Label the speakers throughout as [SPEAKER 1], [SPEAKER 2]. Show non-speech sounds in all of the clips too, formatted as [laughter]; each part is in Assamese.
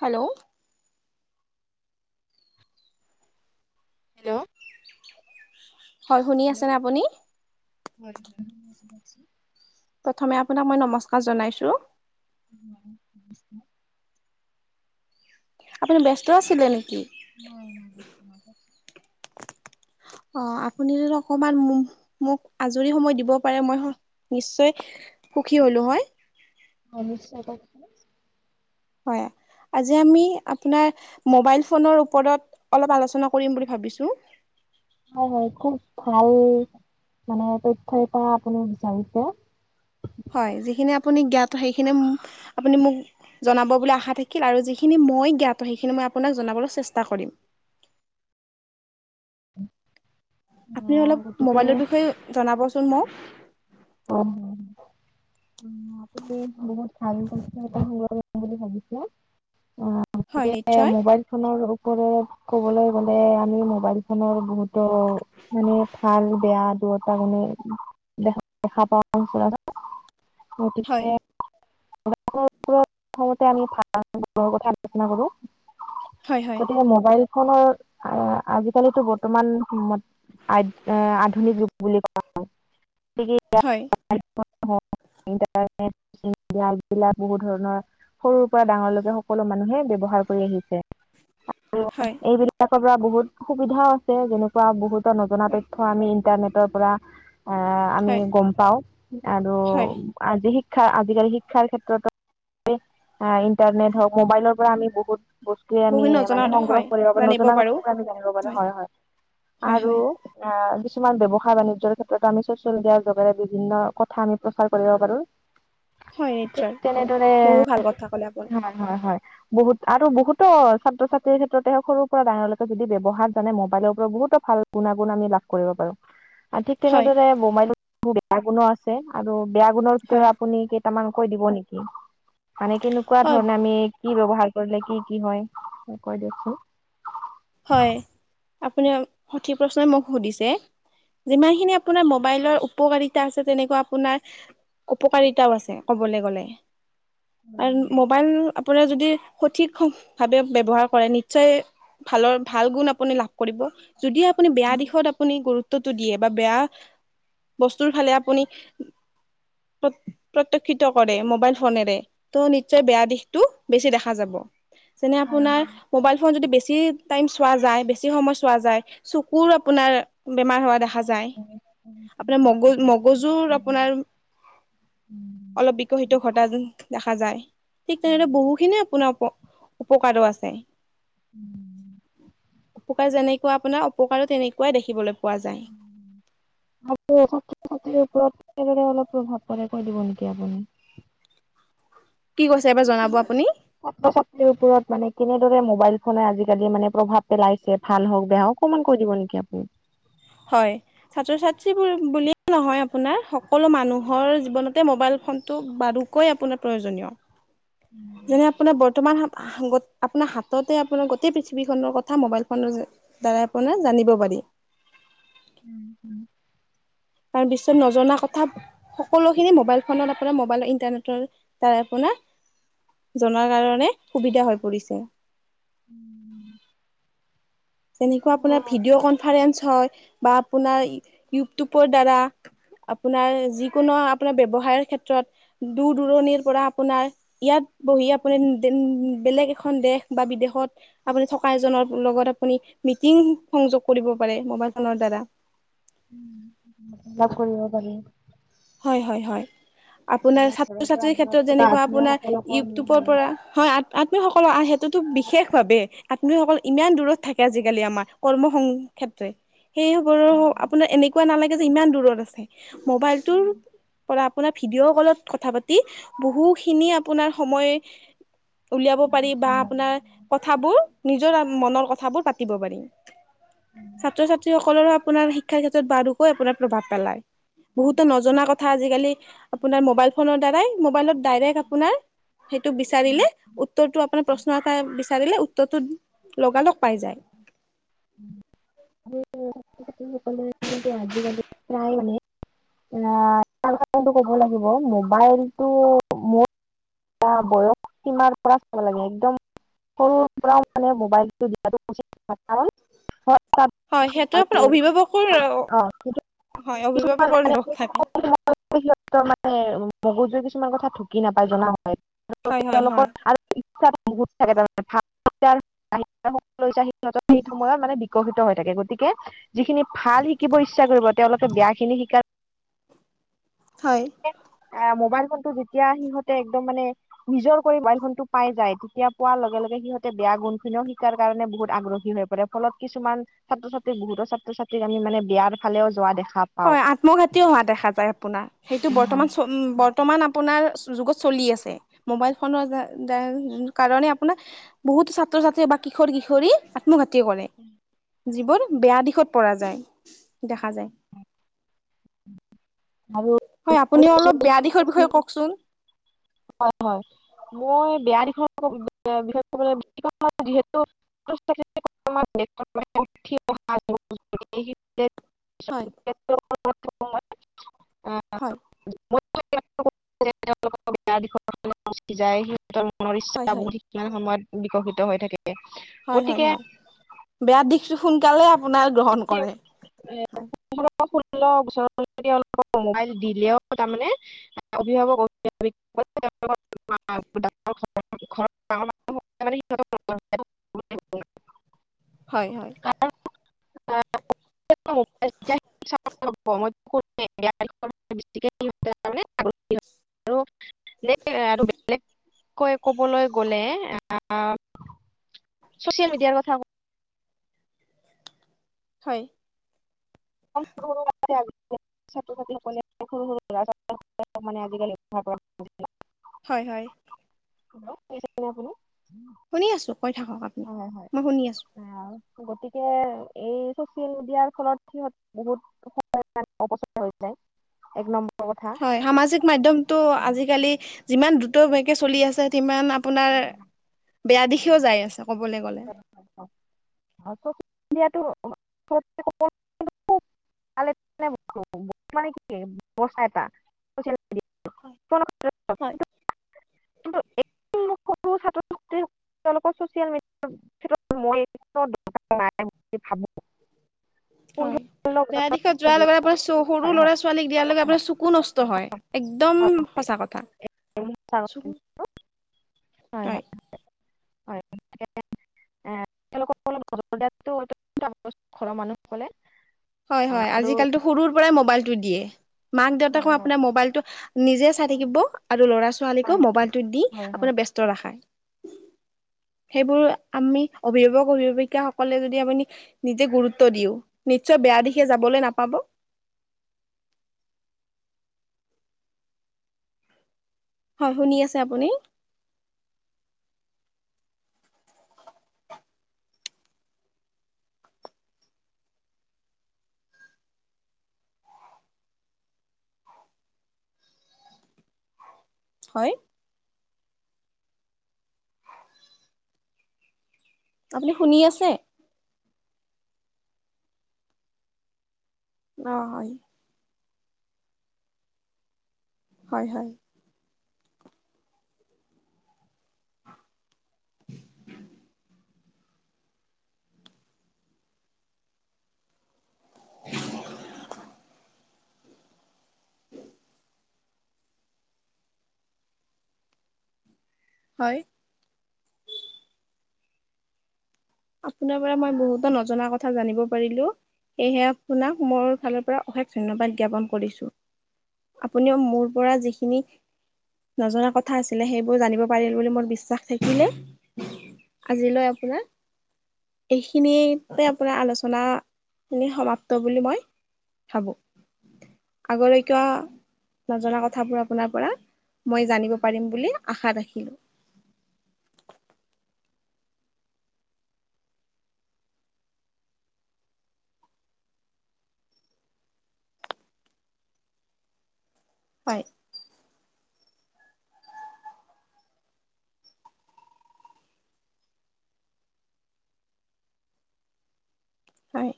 [SPEAKER 1] হেল্ল'
[SPEAKER 2] হেল্ল'
[SPEAKER 1] হয় শুনি
[SPEAKER 2] হেল্ল'
[SPEAKER 1] আছেনে আপুনি
[SPEAKER 2] হয় শুনিছোঁ শুনিছোঁ
[SPEAKER 1] প্ৰথমে আপোনাক মই নমস্কাৰ জনাইছো
[SPEAKER 2] [unintelligible]
[SPEAKER 1] আপুনি ব্যস্ত আছিলে নেকি?
[SPEAKER 2] মই [unintelligible]
[SPEAKER 1] অ আপুনি যদি অকমান মোক আজৰি সময় দিব পাৰে মই নিশ্চয় সুখী হ'লোঁ হয়
[SPEAKER 2] হয় নিশ্চয় ক'কচোন
[SPEAKER 1] হয় আজি আমি আপোনাৰ মোবাইল ফোনৰ ওপৰত অলপ আলোচনা কৰিম বুলি ভাবিছো।
[SPEAKER 2] হয় হয় খুব ভাল মানে তথ্য এটা আপুনি বিচাৰিছে।
[SPEAKER 1] হয় যিখিনি আপুনি জ্ঞাত সেইখিনি মো আপুনি মোক জনাব বুলি আশা থাকিল আৰু যিখিনি মই জ্ঞাত সেইখিনি মই আপোনাক জনাবলৈ চেষ্টা কৰিম। আপুনি
[SPEAKER 2] অ'
[SPEAKER 1] অলপ
[SPEAKER 2] গতিকে
[SPEAKER 1] মোবাইলৰ বিষয়ে জনাবচোন মোক।
[SPEAKER 2] অ আপুনি বহুত ভাল পাইছে এটা সংগ্ৰহ [unintelligible] বুলি ভাবিছে অ
[SPEAKER 1] হয়
[SPEAKER 2] গতিকে
[SPEAKER 1] নিশ্চয়
[SPEAKER 2] মোবাইল ফোনৰ লগত ক'বলৈ গলে আমি মোবাইল ফোনৰ বহুতো মানে ভাল বেয়া দুয়োটা মানে দেখা পাওঁ যে
[SPEAKER 1] হয়
[SPEAKER 2] গতিকে সম আমি ভ্ৰৰ [unintelligible] কথা আলোচনা কৰো।
[SPEAKER 1] হয় হয়
[SPEAKER 2] গতিকে মোবাইল ফোনৰ আজিকালিতো বৰ্তমান সময়ত আ এ আধুনিক ৰূপ বুলি ক'বপাৰি গতিকে
[SPEAKER 1] হয়
[SPEAKER 2] এইবিলাক বহুত ধৰণৰ সৰুৰ পৰা ডাঙৰলৈকে সকলো মানুহে ব্যৱহাৰ কৰি আহিছে আৰু
[SPEAKER 1] হয়
[SPEAKER 2] এইবিলাকৰ পৰা বহুত সুবিধাও আছে যেনেকুৱা বহুত ত নজনা
[SPEAKER 1] হয়
[SPEAKER 2] তথ্য আমি ইনটাৰনেটৰ পৰা অ আমি
[SPEAKER 1] হয়
[SPEAKER 2] গম পাওঁ আৰু
[SPEAKER 1] হয়
[SPEAKER 2] আজি শিক্ষা আজিকালি শিক্ষাৰ ক্ষেত্ৰতো এ, ইণ্টাৰনেট হওঁক, মোবাইলৰপৰা আমি বহুত বস্তুৱে আমি
[SPEAKER 1] বহুত নজনা
[SPEAKER 2] মানে
[SPEAKER 1] কথা হয়
[SPEAKER 2] সংগ্ৰহ কৰিব পাৰি,
[SPEAKER 1] জানিব
[SPEAKER 2] নজনা
[SPEAKER 1] পাৰো
[SPEAKER 2] কথা আমি জানিব পাৰোঁ হয় হয়।
[SPEAKER 1] হয়
[SPEAKER 2] আৰু
[SPEAKER 1] হয়
[SPEAKER 2] আ, কিছুমান ব্যৱসায় বাণিজ্যৰ ক্ষেত্ৰত আমি [unintelligible] [unintelligible] দিয়াৰ যোগেৰে বিভিন্ন কথা আমি প্ৰচাৰ কৰিব পাৰোঁ।
[SPEAKER 1] হয়
[SPEAKER 2] ঠিক
[SPEAKER 1] নিশ্চয়
[SPEAKER 2] তেনেদৰে,
[SPEAKER 1] বহু ভাল কথা ক'লে আপুনি
[SPEAKER 2] হয় হয় হয়। বহুত আৰু বহুতো ছাত্ৰ ছাত্ৰীৰ ক্ষেত্ৰতে সৰুৰপৰা ডাঙৰলৈকে যদি ব্যৱহাৰ জানে মোবাইলৰপৰা বহুতো ভাল গুণাগুণ আমি লাভ কৰিব পাৰোঁ।
[SPEAKER 1] [inaudible]
[SPEAKER 2] ঠিক তেনেদৰে বোমাই বেয়া গুণো আছে আৰু বেয়া গুণৰ
[SPEAKER 1] হয়
[SPEAKER 2] ভিতৰত আপুনি টামান কৈ দিব নেকি, মানে কেনেকুৱা
[SPEAKER 1] হয়
[SPEAKER 2] ধৰণে আমি কি ব্যৱহাৰ কৰিলে কি কি হয়, কৈ দিয়কচোন।
[SPEAKER 1] হয়, আপুনি সঠিক প্ৰশ্নই মোক সুধিছে। যিমানখিনি আপোনাৰ মোবাইলৰ উপকাৰী তা আছে তেনেকুৱা আপোনাৰ উপকাৰিতাও আছে কবলৈ গ'লে। আৰু মোবাইল আপোনাৰ যদি সঠিক ভাৱে ব্যৱহাৰ কৰে নিশ্চয় ভালৰ ভাল গুণ আপুনি লাভ কৰিব। যদি আপুনি বেয়া দিশত আপুনি গুৰুত্বটো দিয়ে বা বেয়া বস্তুৰ ফালে আপুনি প প্ৰত্যক্ষিত কৰে মোবাইল ফোনেৰে ত' নিশ্চয় বেয়া দিশটো বেছি দেখা যাব। যেনে
[SPEAKER 2] হয়
[SPEAKER 1] আপোনাৰ মোবাইল ফোন যদি বেছ ছি টাইম চোৱা যায়, বেছি সময় চোৱা যায়, চকুৰ আপোনাৰ বেমাৰ হোৱা দেখা
[SPEAKER 2] হয়
[SPEAKER 1] যায়।
[SPEAKER 2] হয়
[SPEAKER 1] আপোনাৰ মগজ মগজুৰ আপোনাৰ অলপ
[SPEAKER 2] হয়।
[SPEAKER 1] বিকশিত ঘটা যে [unintelligible] খা যায়, ঠিক তেনেদৰে বহুখিনি আপোনাৰ উপ উপকাৰো আছে।
[SPEAKER 2] [inaudible]
[SPEAKER 1] উপকাৰ যেনেকুৱা আপোনাৰ অপকাৰো তেনেকুৱাই দেখিবলৈ পোৱা যায়।
[SPEAKER 2] [unintelligible] ছাত্ৰ ছাত্ৰীৰ ওপৰত কেনেদৰে অলপ প্ৰভাৱ পৰে কৈ দিব নেকি আপুনি?
[SPEAKER 1] কি কৈছে এবাৰ জনাব আপুনি।
[SPEAKER 2] ছাত্ৰ ছাত্ৰীৰ ওপৰত মানে কেনেদৰে মোবাইল ফোনে আজিকালি মানে প্ৰভাৱ পেলাইছে। ভাল হওঁক বেয়া হওঁক অকণমান কৈ দিব নেকি আপুনি?
[SPEAKER 1] হয়। ছাত্ৰ ছাত্ৰীবোৰ বুলিয়েই নহয় আপোনাৰ, সকলো মানুহৰ জীৱনতে মোবাইল ফোনটো বাৰু কৈ আপোনাৰ প্ৰয়োজনীয়।
[SPEAKER 2] [inaudible]
[SPEAKER 1] যেনে আপোনাৰ বৰ্তমান [unintelligible] অপোনাৰ হাততে আপোনাৰ গোটেই পৃথিৱীখনৰ কথা মোবাইল ফোনৰ যে দ্বাৰা আপোনাৰ জানিব পাৰি।
[SPEAKER 2] উম, উম।
[SPEAKER 1] কাৰণ বিশ্বত নজনা কথা সকলোখিনি মোবাইল ফোনত আপোনাৰ মোবাইল ইণ্টাৰনেটৰ দ্বাৰাই আপোনাৰ জনাৰ কাৰণে সুবিধা হৈ পৰিছে। যেনেকুৱা আপোনাৰ ভিডিঅ' কনফাৰেন্স হয় বা আপোনাৰ ইউটিউবৰ দ্বাৰা আপোনাৰ যিকোনো আপোনাৰ ব্যৱসায়ৰ ক্ষেত্ৰত দূৰ দূৰণিৰপৰা আপোনাৰ ইয়াত বহি আপোনাৰ দেন-বেলেগ এখন দেশ বা বিদেশত আপুনি থকা এজনৰ লগত আপুনি মিটিং সংযোগ কৰিব পাৰে মোবাইল ফোনৰ দ্বাৰা।
[SPEAKER 2] অলপ কৰিব পাৰি।
[SPEAKER 1] হয়, হয়, হয়, আপোনাৰ ছাত্ৰ
[SPEAKER 2] ঘৰৰ পৰা
[SPEAKER 1] ছাত্ৰীৰ
[SPEAKER 2] দূৰত
[SPEAKER 1] ক্ষেত্ৰত
[SPEAKER 2] থকা
[SPEAKER 1] যেনেকুৱা
[SPEAKER 2] আত্মীয়
[SPEAKER 1] আপোনাৰ
[SPEAKER 2] সকলকো আমি
[SPEAKER 1] ইউটিউবৰ পৰা হয়, আ-আত্মীয়সকলৰ সেইটোতো বিশেষ ভাৱে আত্মীয়সকল ইমান দূৰত থাকে আজিকালি আমাৰ। কৰ্ম সং ক্ষেত্ৰে। সেইবোৰো আপোনাৰ এনেকুৱা নালাগে যে ইমান দূৰত আছে। মোবাইল টোৰ পৰা আপোনাৰ ভিডিঅ' কলত কথা পাতি। বহুখিনি আপোনাৰ সময় উলিয়াব পাৰি বা আপোনাৰ কথাবোৰ নিজৰ মনৰ কথাবোৰ পাতিব পাৰি। ছাত্ৰ ছাত্ৰীসকলৰো আপোনাৰ শিক্ষাৰ ক্ষেত্ৰত বাৰুকৈ আপোনাৰ প্ৰভাৱ পেলায়। বহুতো নজনা কথা আজিকালি আপোনাৰ মোবাইল ফোনৰ দ্বাৰাই মোবাইলত ডাইৰেক্ট আপোনাৰ সেইটো বিচাৰিলে উত্তৰটো আপোনাৰ প্ৰশ্ন আকাৰে বিচাৰিলে উত্তৰটো লগা লগ পাই যায়।
[SPEAKER 2] [unintelligible] আজিকালি প্ৰায় মানে এয়া সচাঁ কথাটো ক'ব লাগিব মোবাইলটো মোৰ এটা বয়স সীমাৰ পৰা চাব লাগে একদম সৰু সৰু পৰা মানে মোবাইল দিয়াটো উচিত নহয়। কাৰণ হয় তাত
[SPEAKER 1] হয়, সেইটো আপোনাৰ অভিভাৱকৰ
[SPEAKER 2] অঁ কিন্তু
[SPEAKER 1] হয়
[SPEAKER 2] কিছুমান
[SPEAKER 1] অভিভাৱকৰ
[SPEAKER 2] মানে
[SPEAKER 1] দোষ থাকে।
[SPEAKER 2] [unintelligible] সিহঁতৰ মানে মগজুৰি কিছুমান কথা ঢুকি নাপায় জনা হয়, আৰু
[SPEAKER 1] হয় হয় হয়
[SPEAKER 2] তেওঁলোকৰ আৰু ইচ্ছা বহুত থাকে তাৰমানে [unintelligible] সেই সময়ত মানে বিকশিত হৈ থাকে। গতিকে যিখিনি ভাল শিকিব ইচ্ছা কৰিব তেওঁলোকে বেয়াখিনি শিকাৰ
[SPEAKER 1] হয়
[SPEAKER 2] মোবাইল ফোনটো যেতিয়া সিহঁতে একদম মানে নিজৰ কৰি মোবাইল ফোনটো পাই যায় তেতিয়া পোৱাৰ লগে লগে সিহঁতে বেয়া গুণখিনিও শিকাৰ কাৰণে বহুত আগ্ৰহী হৈ পৰে। ফলত কিছুমান ছাত্ৰ ছাত্ৰীক বহুতৰ ছাত্ৰ ছাত্ৰীক আমি মানে বিয়াৰ ফালেও যোৱা দেখা পাওঁ
[SPEAKER 1] হয়, আত্মঘাতিও হোৱা দেখা যায়। আপোনাৰ সেইটো বৰ্তমান চ উম, বৰ্তমান আপোনাৰ যুগত চলি আছে। মোবাইল ফোনৰ [unintelligible] কাৰণে আপোনাৰ বহুতো ছাত্ৰ ছাত্ৰী বা কিশোৰ কিশোৰী আত্ম ঘাটি কৰে। যিবোৰ বেয়া দিশত পৰা যায় দেখা যায়।
[SPEAKER 2] আৰু
[SPEAKER 1] হয়, আপুনিও অলপ বেয়া দিশৰ বিষয়ে কওঁকচোন।
[SPEAKER 2] হয়, হয়। মই বেয়া দিশৰ বিষয়ে [unintelligible] যিহেতু [inaudible]
[SPEAKER 1] হয়
[SPEAKER 2] [inaudible] [inaudible]
[SPEAKER 1] হয়
[SPEAKER 2] যায় সিহঁতৰ মনৰ
[SPEAKER 1] হয়
[SPEAKER 2] ইচ্ছা
[SPEAKER 1] হয়
[SPEAKER 2] বহুত সেইখিনি সময়ত বিকশিত হৈ থাকে।
[SPEAKER 1] হয়, হয়, হয়,
[SPEAKER 2] গতিকে
[SPEAKER 1] বেয়া দিশটো সোনকালে আপোনাৰ গ্ৰহণ
[SPEAKER 2] [inaudible]
[SPEAKER 1] কৰে হয়
[SPEAKER 2] পোন্ধৰ বা ষোল্ল বছৰ [unintelligible] দিলেও তাৰমানে অভিভাৱক অভিভাৱিকা [unintelligible] [inaudible]
[SPEAKER 1] হয়, হয়।
[SPEAKER 2] [inaudible] [inaudible]
[SPEAKER 1] [inaudible]
[SPEAKER 2] [inaudible] কৈ ক'বলৈ গলে, আ, চচিয়েল মিডিয়াৰ কথা
[SPEAKER 1] হয়।
[SPEAKER 2] [inaudible] মানে আজিকালি
[SPEAKER 1] হয়, হয়।
[SPEAKER 2] হে'ল্ল' শুনিছেনে আপুনি?
[SPEAKER 1] শুনি আছো কৈ থাকক আপ
[SPEAKER 2] হয়, হয়। গতিকে এই চচিয়েল মিডিয়াৰ ফলত সিহঁত বহুত চ যায় এক নম্বৰ [inaudible]
[SPEAKER 1] হয়, সামাজিক মাধ্যমতটো আজিকালি যিমান দ্ৰুতকে চলি আছে সিমান আপোনাৰ
[SPEAKER 2] ঘৰৰ
[SPEAKER 1] বেয়া দিশেও যাই আছে ক'বলৈ গ'লে।
[SPEAKER 2] [inaudible] [inaudible]
[SPEAKER 1] হয়
[SPEAKER 2] [inaudible]
[SPEAKER 1] হয়।
[SPEAKER 2] সৰু ছাত্ৰ, ছাত্ৰী তেওঁলোকৰ চচিয়েল মিডিয়াৰ ক্ষ মইকাৰ নাই বুলি ভাবো। [unintelligible]
[SPEAKER 1] হয়। বেয়া দিশত যোৱাৰ লগে আপোনাৰ সৰু ল'ৰা, ছোৱালীক দিয়াৰ লগে আপোনাৰ চকু নষ্ট হয়। একদম সঁচা কথা।
[SPEAKER 2] [inaudible]
[SPEAKER 1] চকু
[SPEAKER 2] হয়, হয়, হয়। [inaudible]
[SPEAKER 1] হয়, হয় আজিকালিতো সৰুৰ পৰাই মোবাইলতটো দিয়ে। মাক দেউতাক ক
[SPEAKER 2] হয়
[SPEAKER 1] আপোনাৰ মোবাইলটো নিজে চাই থাকিব আৰু ল'ৰা ছোৱালীকো মোবাইলটো দি
[SPEAKER 2] হয় হয়
[SPEAKER 1] আপোনাৰ ব্যস্ত ৰাখাই। সেইবোৰ আমি অভিভাৱক, অভিভাৱিকাসকলে যদি আপুনি নিজে গুৰুত্ব দিও নিশ্চয় বেয়া দিশে যাবলৈ নাপাব। হয়, শুনি আছে আপুনি? হয়। আপুনি শুনি আছে? অ' হয়। হয়, হয়। [inaudible] হয়। আপোনাৰ পৰা মই বহুতো নজনা কথা জানিব পাৰিলো। সেয়েহে আপোনাক মোৰ ফালৰ পৰা অশেষ ধন্যবাদ জ্ঞাপন কৰিছো। আপুনিও মোৰ পৰা যিখিনি নজনা কথা আছিলে সেইবোৰ জানিব পাৰিলে বুলি মোৰ বিশ্বাস থাকিলে। আজিলৈ আপোনাক এইখিনিতে আপোনাৰ আলোচনা সমাপ্ত বুলি মই ভাবো। আগলৈকো নজনা কথাবোৰ আপোনাৰ পৰা মই জানিব পাৰিম বুলি আশা ৰাখিলো। হয়। হয়।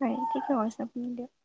[SPEAKER 1] হয় ঠিকে ক আছে আপুনি দিয়ক [unintelligible]